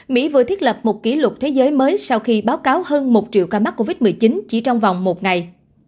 mỹ vừa thiết lập một kỷ lục thế giới mới sau khi báo cáo hơn một triệu ca mắc covid một mươi chín chỉ trong vòng một ngày